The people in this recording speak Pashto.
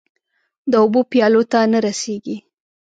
د اوبو پیالو ته نه رسيږې